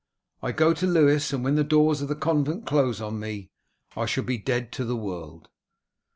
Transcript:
I go to Lewes, and when the doors of the convent close on me I shall be dead to the world.